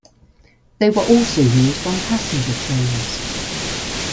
They were also used on passenger trains.